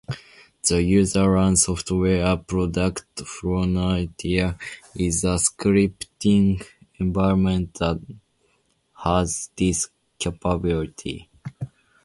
The UserLand Software product Frontier is a scripting environment that has this capability.